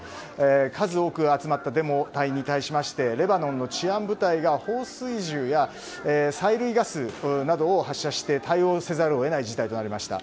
数多く集まったデモ隊に対しましてレバノンの治安部隊が放水銃や催涙ガスなどを発射して対応せざるを得ない状況となりました。